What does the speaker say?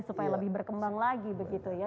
supaya lebih berkembang lagi begitu ya